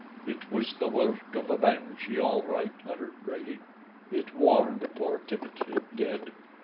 "It was the work of the banshee all right," muttered Brady. "It warned poor Tippet, it did."